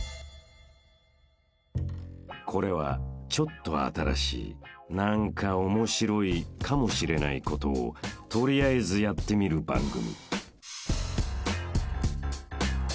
［これはちょっと新しい何かオモシロいかもしれないことを取りあえずやってみる番組］